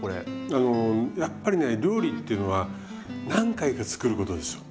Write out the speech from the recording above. あのやっぱりね料理っていうのは何回か作ることですよ。